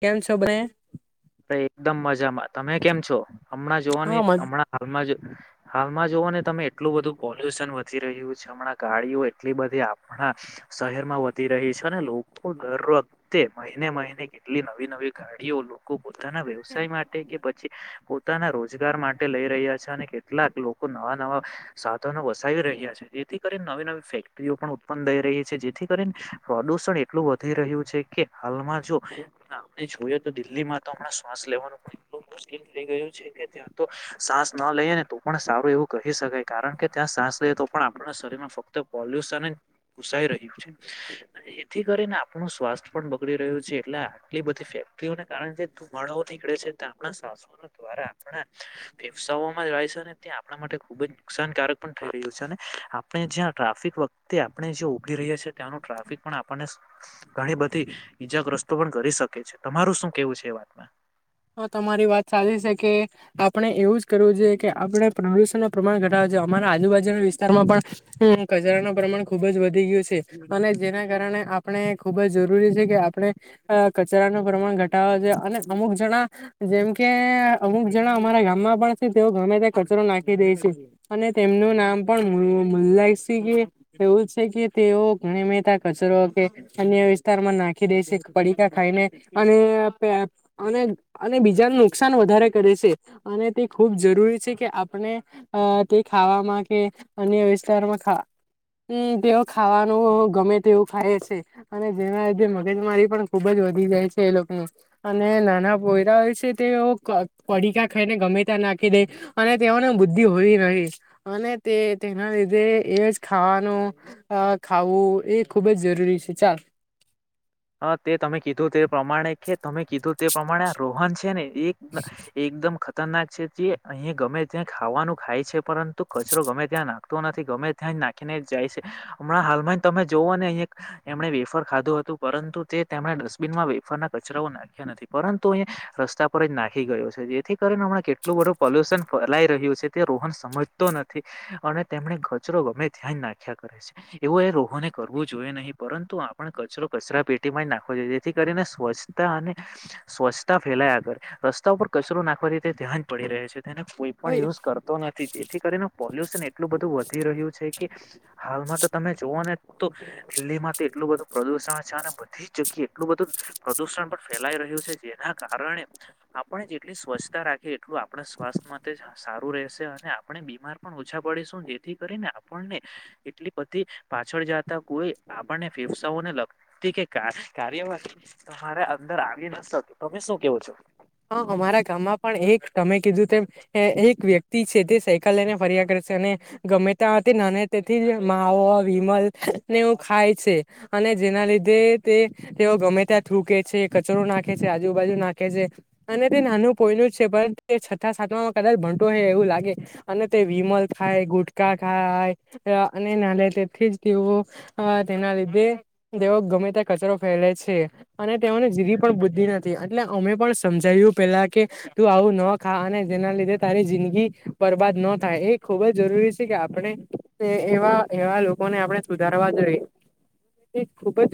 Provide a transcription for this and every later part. કેમ છો બને અ એકદમ મજામાં તમે કેમ છો? હમણાં હા જોવાની હમણાં હાલમાં હાલમાં જોઓ ને તમે એટલું બધું પોલ્યુશન વધી રહ્યું છે હમણાં ગાડીઓ એટલી બધી આપણા હા, શહેરમાં વધી રહી છે અને લોકો દર વખતે મહિને મહિને કેટલી નવી નવી ગાડીઓ લોકો પોતાના વ્યવસાય માટે કે પછી, પોતાના રોજગાર માટે લઈ રહ્યા છે અને કેટલાક લોકો લોકો નવા નવા, સાધનો વસાવી રહ્યા છે જેથી કરીને નવી નવી ફેક્ટરીઓ પણ ઉત્પન્ન થઈ રહી છે જે જેથી કરીને પ્રદુષણ એટલું વધી રહ્યું છે કે હાલમાં જો ના જે જોએ તો દિલ્હી માં તો હમણા શ્વાસ લેવાનું પણ એટલું મુશ્કેલ થઈ ગયું છે કે ત્યાં તો શ્વાસ ન લઈએ ને તો પણ સારું એવું કહી શકાય કારણ કે ત્યાં સાસ લઈએ તો પણ આપણા શરીર માં ફક્ત પોલ્યુશન ઘૂસાઈ રહ્યું છે એથી કરીને આપણું સ્વાસ્થ પણ બગડી રહ્યું છે એટલે અ એટલી બધી ફેક્ટરીઓને કારણે જે ધુમાળાઓ નીકળે છે આપણા શ્વાસો દ્વારા. આપણા, ફેફસઓમાં જ હોય છે ને ત્યાં આપણા માટે ખુબ જ નુકસાનકારક પણ થઈ રહ્યું છે અને, આપણે જ્યાં ટ્રાફિક વખતે આપણે જે ઉગડી રહ્યા છીએ. અને ત્યાંનું ટ્રાફિક પણ આપણને ઘણી બધી, ઈજાગ્રસ્તો પણ કરી શકે છે તમારું શું કેવું છે એ વાતમાં. તો તમારી વાત સાચી છે કે, આપણે એવું જ કરવું જોઈએ કે આપણે પ્રદુષણ નું પ્રમાણ ઘટાડવું જો અમારા આજુબાજુના વિસ્તારમાં પણ, કચરાનું પ્રમાણ ખુબ જ વધી ગયું છે, અને જેના કારણે અને આપણે ખુબ જ જરૂરી છે કે આપણે, કચરાનું પ્રમાણ ઘટાડવુ છે અને અમુક જણા જેમ કે અમુક જણા અમારા ગામમાં પણ છે તેઓ ગમે ત્યાં કચરો નાખી દે છે, અને તેમનું નામ પણ મુલ્લાસિ કે, એવું છે કે તેઓ ગણી મતા કચરો અન્ય વિસ્તારમાં નાખી દે છે પડીકા ખાઈને, અને અને અને બીજાને નુકસાન વધારે કરે છે, અને તે ખૂબ જરૂરી છે કે આપણે એ તે ખાવામાં કે અન્ય વિસ્તારમાં ખા હમ તેઓ ખાવાનું ગમે તેવું ખાય છે, અને જેના લીધે મગજમારી પણ ખુબ જ વધી જાય છે એ લોકો ની અને નાના પોયરા હોય છે તે ઓ પડીકા ખાઈને ગમે તા નાખી દે અને તેઓને બુદ્ધિ હોવી રહી [unintelligible] અને તે તેના લીધે એજ ખાવાનું ખાવું એ ખુબ જ જરૂરી છે ચાલ. હા તે તમે કીધું તે પમાણે કે તમે કીધું તે પમાણે આ રોહન છે ને એક એકદમ ખ ખતરનાક છે જે અહીં ગમે ત્યાં ખાવાનું ખાય છે પરંતુ કચરો ગમે ત્યાં નાખતો નથી ગમે ત્યાં નાખીને જાય છે હમણાં હાલમાં તમે જોઓ ને એક એમણે વેફર ખાધું હતું. પરંતુ તે તેમણે ડસ્ટબિનમાં વેફરના કચરાઓ નાખ્યા નથી પરંતુ અહી રસ્તા પર જ નાખી ગયો છે. જેથી કરીને હમણાં કેટલું બધું પોલ્યુશન ફેલાઈ રહ્યું છે તે રોહન સમજતો નથી અને તેમને કચરો ગમે ત્યાં જ નાખ્યા કરે છે એવો એ રોહોને કરવો જોઈએ નહી પરંતુ આપણે કચરો કચરા પેટીમાં જ નાખવાો જોઈએ જેથી કરીને સ્વચ્છતા અને સ્વચ્છતા ફેલાય આગળ રસ્તા પર કચરો નાખવા થી તે ત્યાં જ પડી રહે છે. તે કોઈ પણ હવે યુઝ કરતો નથી જેથી કરીને પોલ્યુશન એટલું બધું વધી રહ્યું છે કે હાલ એમાં તો તમે જુઓ ને તો દિલ્હીમાં તો એટલું બધું પ્રદુષણ [unintelligible] બધી જગ્યાએ એટલું બધું પ્રદુષણ પણ ફેલાઈ રહ્યું છે જેના કારણે આપણે જે ની સ્વચ્છતા રાખીએ એટલું આપણે સ્વસ્થ માટે સારુ ચોખ્ખું રહેશે અને આપણે બીમાર પણ ઓછા પડીશું જેથી કરીને આપણને એટલી બધી પાછળ તે જાતા કોઈ આપણને ફેફસાઓને લખ તે કે ક કાર્યવાહી તમારે અંદર આવી નતી તમે શું કેવો છો. હા અમારા ગામમાં પણ એક તમે કીધું તેમ એ એક વ્યક્તિ છે તે સાયકલ લઈને ફરિયાદ કરે છે અને ગમે ત તે નાને તેથી જ ના [unintelligible] નેવું ખાય છે અને જેના લીધે તે તેઓ ગમે ત્યાં થૂક તે છે કચરો નાખે છે આજુબાજુ નાખે છે. અને તે નાનું પોઈનું જ છે પણ તે છ્ઠા સાતમાં કદાચ ભણટો હ એવું લાગે અને તે વિમલ ખાય ગુટકાા ખાય અને નાને તેથી જ તેઓ આ તેના લીધે તેઓ ગમે ત્યાં કચરો ફેલે છે અને તેઓને જીવી પણ બુદ્ધિ નથી એટલે અમે પણ સમજાયું પેલા કે તું આવું ન ખા અને જેના લીધે તારી જિંદગી બરબાદ ન થાય એક ખુબ જ જરૂરી છે કે આપણે એવા એવા લોકોને આપણે સુધારવા જોઈએ. [unintelligible] ખુબ જ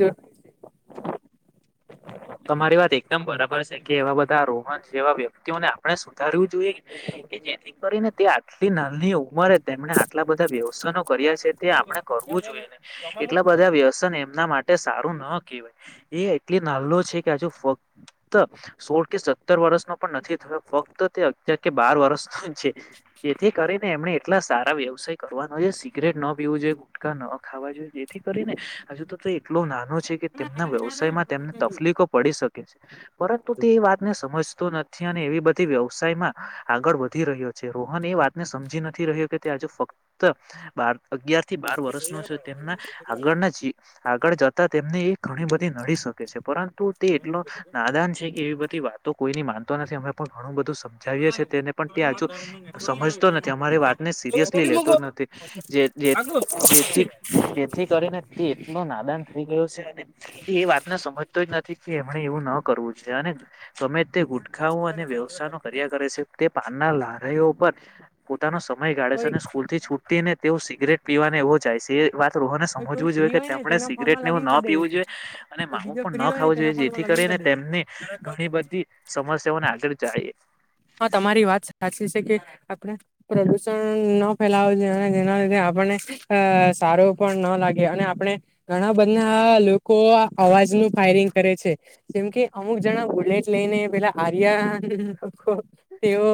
બસ કે એવા બધા રોહણ જેવા વ્યક્તિઓને આપણે સુધારવુ જોઈએ કે જેથી કરીને તે તે નન્હી ઉમરે તેમણે આટલા બધા વ્યવસનો કર્યા છે તે આપણે કરવું જોઈએ ને, એટલા બધા વ્યવસન એમના માટે સારું ના કહેવાય એ એટલે નાલ્હો છેકે હજુ ફક્ત સોળ કે સત્તર વર્ષનો પણ નથી થયો, ફક્ત તે અતયાર કે બાર પ્રસ્થાન છે. જેથી કરીને એમણે એટલા સારા વ્યવસાય કરવાનો છે, સિગરેટ ન પીવું જોઈએ, ગુટકા ન ખાવા જેથી કરીને હજુ તો એટલો નાનો છે કે તેમના વ્યવસાયમાં તેમને ત બી કો પડી શકે છે પરંતુ તે વાતને સમજ તો નથી અને એવી બધી વ્યવસાયમાં આગળ વધી રહ્યો છે રોહન એ વાત ને સમજી નથી રહ્યો કે તે આજે ફક્ત બ અગયાર થી બાર વર્ષનો છે તેમના આગળના આગળ જતા તેમને એ ઘણી બધી નડી શકે છે. તો તે એટલો નાદાન છે કે એવી બધી વાતો કોઈની માનતો નથી અમે પણ ઘણું બધું સમજાવીએ છીએ તે ને પણ [unintelligible] સમજતો નથી અમારી વાતને સિરિયસલી લેતો નથી જે તે જેથી જેથી કરીને તે એટલો નાદાન હુઈ ગયો છે અને એ વાતને સમજતો જ નથી કે એમને એવું ન કરવું છે અને તમે તે ગુટખાઓ અને વ્યવસથાયો કર્યા કરે છે તે પાનના લારઓ પર નો સમય ગાળે છે અને સ્કૂલ થી છૂટી ને તેઓ સિગરેટ પીવાને એવો જાય છે એ વાત [unintelligible] ને હોય સમજવું કોઈ જોઈએ ફ્રી કે હોય ને તેમણે તેના ફોનમાં સિગરેટને એવું લોગીન ન કરી દે પીવું જોઈએ છે અને માવું બીજો ન ફ્રી હોય ખાવ ને જોઈએ તેના ફોનમાં જેથી લોગીન કરી કરીને તેમની દે ઘણી બધી સમસ્યાઓને આગળ જાયએ હા તમારી વાત સાચી છે કે આપણે પ્રદુષણ ન ફેલાવ જેના લીધે આપને અ સારો પણ ના લાગે અને આપણે ઘણા બન્ધા લોકો અવાજ નું ફાયરિંગ કરે છે જેમ કે અમુક જણા બુલેટ લઈને પેલા આર્યા લોકો તેઓ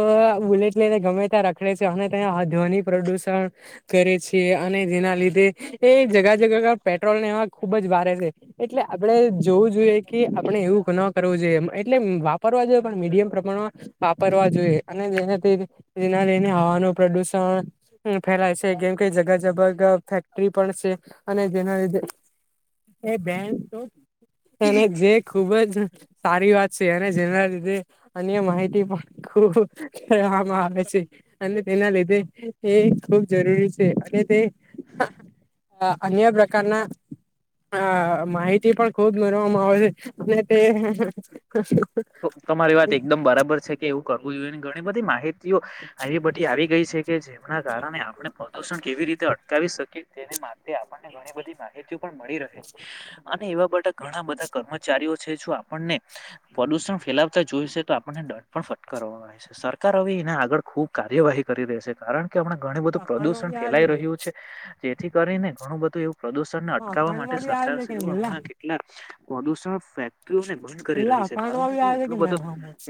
બુલેટ ને ગમે ત્યાં રખડે છે અને ત્યાં ધ્વનિ પ્રદુષણ કરે છે અને જેના લીધે એ જગા જગા પેટ્રોલ ને એવા ખુબ જ વારે છે, એટલે આપડે જોવું જોઈએ કે આપડણે એવું ન કરવું જોઈએ, એટલે વા વાપરવા જોઇએ પણ મીડિયમ પ્રમાણમાં વાપરવા જોઈએ, અને તેને [unintelligible] નું પ્રદુષણ પણ ફેલાય છે, જેમકે જગા જગા ગ ફેક્ટરી પણ છે, અને જેના લીધે એ બેન [unintelligible] અને જે ખુબ જ સારી વાત છે, અને જેના લીધે અન્ય માહિતી પણ ખૂબ કેવામાં આવે છે. અને તેના લીધે એ ખુબ જરૂરી છે, અને તે હ અન્ય પ્રકારના હા માહિતી પણ ખુબ મેનવામાં આવે છે, અને તે તમારી વાત એકદમ બરાબર છે કે એવું કરવું જોઈએ ઘણી બધી માહિતીઓ આવી બધી આવી ગઈ છે કે જેમના કારણે આપણે પ્રદુષણ કેવી રીતે અટકાવી શકીએ તેને માટે આપણને ઘણી બધી માહિતી પણ મળી રહે છે, અને એવા બાધા ઘણા બધા કર્મચારીઓ ઓ છે જો આપણને પ્રદુષણ ફેલાવતા જોઈશે તો આપણને દંડ પણ ફટકારવામાં આવેશે, સરકાર હવે એને આગળ ખુબ કાર્યવાહી કરીદે છે, કારણ કે આપણે ઘણું બધું અખાણમાં પ્રદુષણ બી આવે ફેલાઈ કે રહ્યું છે, જેથી કરીને ઘણું બધું એવું પ્રદૂષણને અટકાવવા અખાણમાં માટે બી આવે છે કે સરકારશ્રી ઓ મુલ્લા હમણાં કેટલાક પ્રદુષણ ફે તઓને ભંધ કરી મુલ્લા રહી છે અખાણમાં કારણકે બી તે આવે એટલો છે બધો,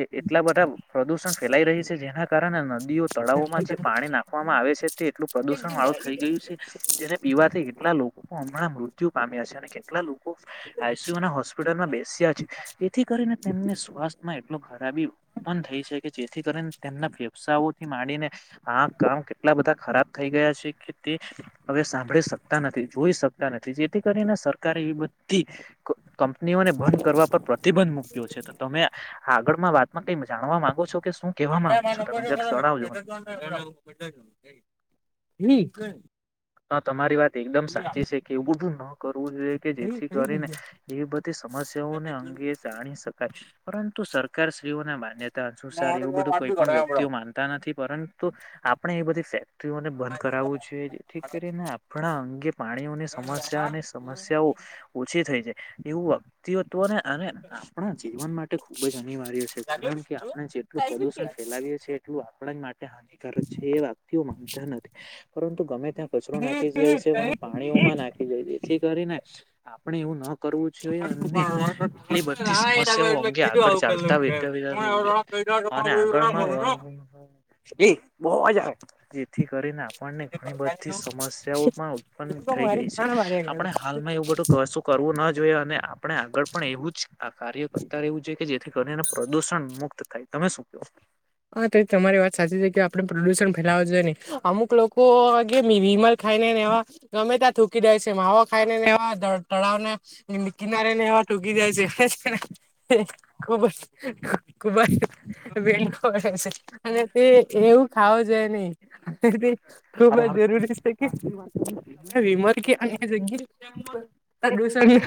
એ એટલા બધા પ્રદુષણ ફેલાઈ રહી છે જેના કારણે નદીઓ તળાવોમાં જે પાણી નાખવામાં આવે છે, તે એટલું પ્રદુષણ વાળું થઈ ગયું છે, જેને પીવાથી એટલા લોક પણ હમણાં મૃત્યુ પામ્યા છે, અને કેટલા લોકો કો આઈસીયુ ના હોસ્પિટલમાં બેસ્યા છે, જેથી કરીને તેમને સ્વાસ્થ્યમાં એટલો ખરાબી ઉત્પન થઈ છેકે જેથી કરીને તેમના ફેવસાઓ થી માંડીને આખ કામ કેટલા બધા ખરાબ થઈ ગયા છે તે હવે સાંભળી શક તા નથી, જોઈ શકતા નથી, જેથી કરીને સરકારે એ બધી ક કંપનીઓને બંધ કરવા પર પ્રતિબંધ મૂક્યો છે તો તમે આગળમાં વાતમાં કઈ. જાણવા માંગો છો કે શું કેવા માંગો છો તમે જ જણાવજો મ. ન. હ તમારી વાત એકદમ સાચી છે કે એવું બધું ન કરું. કુ જોઈએ, કે જેથી કરીને એ બધી સમસ્યાઓને અંગે જાણી શકાય પરંત તો સરકારશ્રીઓને માન્ય તારજો સાર એવું બધું કોઈ પણ વ્યક્તિઓ માનતા નથી પરંતુ આપણે એ બધી ફે તોઓને બંધ કરાવવું છે ઠીક કરીને આપણા અંગે પાણીઓની સમસ્યા અને સમસ્યાઓ ઓછી થઈ છે, એવું અ તિ વ્ટવૉ અને આપણા જીવન માટે ખુબ જ અનિવાર્ય છે, કારણ કે આપણે જેટલું કે પ્રદુષણ ફેલાવીએ છીએ એટલું આપડજ માટે હાનિકારક છે, એ વાક્યો માનતા નથી પરંતુ ગમે તેમ કચરો નાખી જાય છે, અને પાણીઓમાં નાખી જાય છે, જેથી કરીને આપણે એવું ના કરવું જોઈએ અને એટલી બધી સમસ્યાઓ અંગે આગળ ચાલતા [unintelligible] અને આગળ માં એ બહુ અવાજ આવે થી કરીને આપણને ઘણી બધ સમસ્યાઓ પણ ઉત્પન થઈ ગઈ છે આપણે હાલમાં એવું બધું કશું કરવું ન જોઈએ અને આપણે આગળ પણ એવું જ આ કાર્ય કરતા રહેવું જોઈએ કે જેથી કરીને પ્રદુષણ મુક મુત થાય તમે શું કે હા તમારી વાત સાચી છે કે આપડ પ્રદુષણ ફેલાવ જોએને અમુક લોકો આીમાર. ખાઈનેવા ગમે ત્યાં થૂકી જાય છે માવો ખાઈ નેવા તળાવ ને કિનારે નેવા. ટૂકી જાય છે ખૂબ જ ખૂબ જ. પડે છે અને તે એવું ખાવું જોઈએ નહી અને તે ખુબ જ જરૂરી છે. વિમર કે અને જ. પ્રદષણ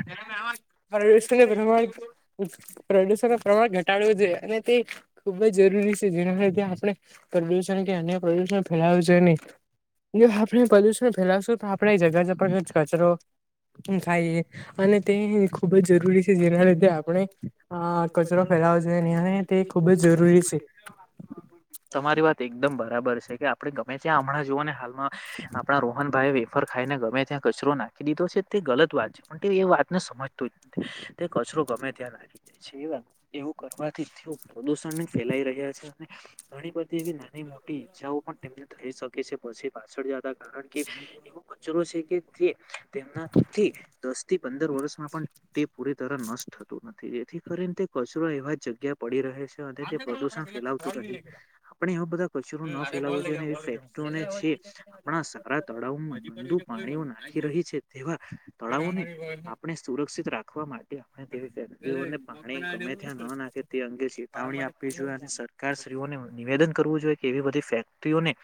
પ્રમાણ પ્રદૂષણ ન પ્રમાણ ઘટાડવું જોઈ અને તે ખૂબ જ જરૂરી. જેના લીધ આપણે પ્રદુષણ કે અન્ય પ્રદુષણ ફેલાયું છે નહી. એ આપણે પ્રલ્યુશન ફેલાવશું આપણે જગ્યા જ કચરો. ખાઈએ અને તે ખુબ જ જરૂરી છે જેના લીધે આપણે આ આપણે કચરો ખાય. ફેલાવો લાજ જોઈએ અને તે એ ખુબ ખૂબ જ જરૂરી છે. તમારી વાત એકદમ બરાબર છે કે આપડે ગમે ત્યાં હમણાં જુઓ ને હાલ. આપણા રોહન ભાઈ. ફર ખાઈને ગમે ત્યાં કચરો નાખી દીધો છે તે ગલત વાત છે પણ તે એ વાતને સમજત જ નથી તે. ગમે્યા રાખ જાય છે એવું કરવાથી તેઓ પ્રદુષણ ફેલાઈ રહ્યા છે. ઘણી બધી એવી નાની મોટી ઈચ્છાઓ પણ તેમને થઈ શકે છે પછી. પાછળ હતા કારણ કે એવો કચરો છે કે તે તેમનાથી દસ થી પંદર. દર વર્ષમાં પણ તે પૂરી તર નષ્ટ થતું નથી જેથી કરીને તે કચરો એવા જગ્યા પડી રહે છે. અને તે પ્રદુષણ ફેલાવતું રહે છે આપણે એવા બધા કચરો ન ફેલાવો જોઈએ અને એવી ફેક્ટરીઓને જે. આપણા સારા તળાવમાં ગંદુ પાણીઓ નાખી રહી છે તેવા તળાવોને આપણે. સુરક્ષિત રાખવા માટે આપણે તેવી ફેક્ટરીઓને પાણી ગમે ત્યાં ન નાખે તે અંગે. ચેતાવણી આપવી જોઈએ અને સરકારશ્રીઓને નિવેદન કરવું જોઈએ કે એવી બધી ફેક્ટરી.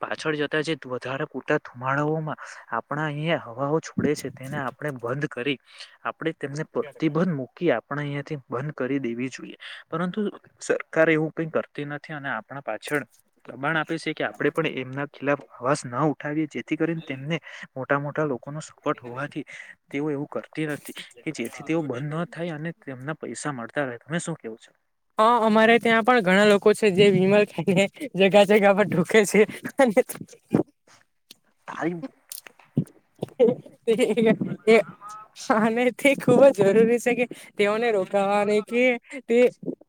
પાછળ જતા જે વધારે પૂતા ધુમાડાઓમાં આપણા અહંયા. હવા છોડે છે તેને આપણે બંધ કરી આપણે તેમને પ્રતિબંધ મૂકી આપ. આપણે અહીંયાથી બંધ કરી દેવી જોઈએ પરંતુ સરકાર એવું કઈ કરતી નથી અને આપણા. પાછળ દબાણ આપે છે કે આપણે પણ એમના ખિલાપ અવાજ ન ઉઠાવીએ. થી કરીને તેમને મોટા મોટા લોકો. લોકોનો સપોટ હોવાથી તેઓ એવું કરતી નથી કે જેથી તેઓ બંધ ન થાય અને તેમના પૈસા. મળતા હોય તમે શું કેવું છો. હા અમારે ત્યાં પણ ઘણા લોકો છે જે વિમલ ખાઈને જગા જગા પર ઢૂકે છે. [inaudible] ટાઈમ એ એથી અહીંયા એ અને તે ખુબ જ જરૂરી છે કે તેઓને રો કાને કે તે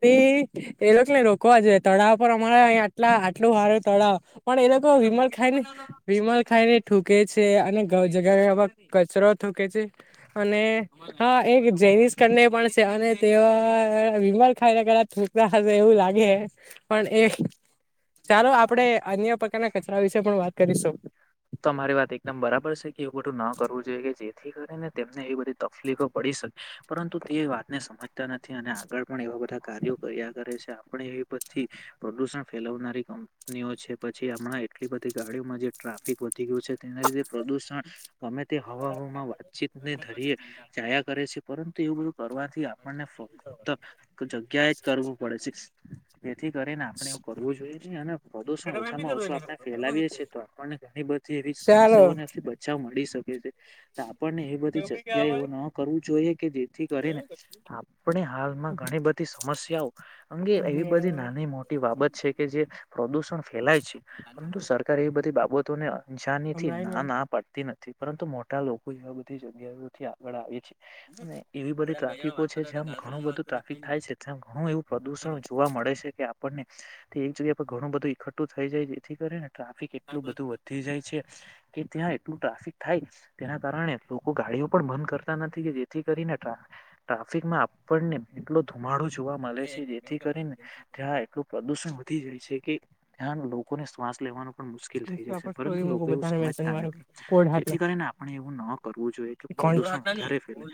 તે એ લોકોને રોકવા જોઈએ તળાવ પર અમારે અહી આટલા આટલું સારું તળાવ પણ એ લોકો વિમલ ખાઈ ને વિમલ ખાઈ ને થૂકે છે અને ગા જગા કચરો થૂકે છે અને હા એક જેનીસ કનને પણ અને તેવા વિમલ. ખાય થૂકતા હશે એવું લાગે પણ એ. ચાલો આપડે અન્ય પ્રકારના કચરા વિશે પણ વાત કરીશું. તો મારી વાત એકદમ બરાબર છે કે એવું ખટું ન કરવું જોઈએ કે જે. કરીને તેમને એ બધી તકલીફો પડી શકે પરંતુ તે વાતને સમજતા નથી અને આગળ પણ એ. કાર્યો કર્યા કરે છે આપણે એવી બધી પ્રદુષણ ફેલાવનારી. કંપનીઓ છે પછી હમણાં એટલી બધી ગાડીઓમાં જે ટ્રાફિક વધી ગયું છે તેના લીધે પ્રદુષણ. ગમે તે હવામાં વાતચીતને ધરીયે જાયા કરે છે પરંતુ એવું બધું. કરવાથી આપણને ફક્ત જગ્યાએ જ તરવું પડે છે જેથી કરીને આપણે. કરવું જોઈએ. નહી પ્રદુષણ ઓછામાં ઓછું આપણે ફેલાવીએ છીએ તો આપણને ઘણી બધી એવી ચાલો સમસ્યાઓ થી બચાવ મળી શકે. છે ત. આપને એ બધી જગ્યાએ એવ ન કરવું જોઈએ કે જેથી કરીને આપણે હાલમાં ઘણી બધી. સમસ્યાઓ અંગે એ બે એવી બધી નાની મોટી બાબત છે કે જે પ્રદુષણ ફેલાય છે. પરંતુ સરકાર એ બધી બાબતોને અંશાની થી સંભળાય ને ના એમ ના પાડતી નથી. પરંતુ મોટા લોકો એવા બધી જગ્યાઓથી આગળ આવે છે. અને એવી બધી ટ્રાફિકો છે જ્યામ ઘણું બધું ટ્રાફિક થાય છે. ત્યા ઘણું એવું પ્રદુષણ જોવા મ મળે છે કે આપણને તે એક જગ્યા પર ઘણું બધું ઈખટુ થઈ જાય જેથી કરીને ટ્રાફિક એટલું બધું વધી જાય છે. કે ત્યાં એટલું ટ્રાફિક થાય તેના કારણે લોકો ગાડીઓ પણ બંધ કરતા નથી કે જેથી કરી ને ટ્રા-ટ્રાફિકમાં આપણને એટલો ધુમાડો જોવા મલે છે જેથી કરીને ત્યાં એટલું પ્રદુષણ વધી જાય છે કે ત્યા લોકોને શ્વાસ લેવાનું પણ મુશ્કેલ થઈ જાય ઇન્સ્ટા છે, પર પરંતુ સ્ટોરી લોકો મૂકું એવું બધાને મેન્શન સમજતા મારું નથી. કોડ હાટુ જેથી કરીને આપણે એવું ન કરવું જોઈએ કે કોણ પ્રદુષણ વધારે ફેલે.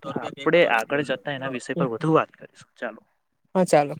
તો આપડે આગળ જતા એના વિષય પર વધુ વાત કરીશું ચાલો. હા ચાલો.